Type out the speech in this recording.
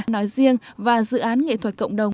nói riêng và dự án nghệ thuật cộng đồng